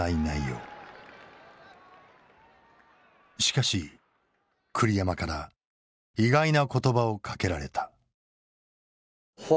しかし栗山から意外な言葉をかけられた。